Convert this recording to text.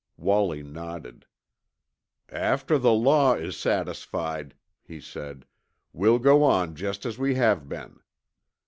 Wallie nodded. "After the law is satisfied," he said, "we'll go on just as we have been.